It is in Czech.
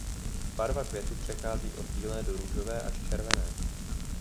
Barva květu přechází od bílé do růžové až červené.